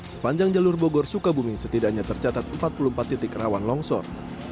sepanjang jalur bogor sukabumi setidaknya tercatat empat puluh empat titik rawan longsor